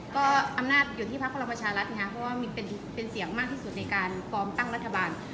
ก็อำนาจอยู่ที่ภาคพระราชรัฐนะคะเพราะว่ามีเป็นเสียงมากที่สุดในการปลอมตั้งรัฐบาล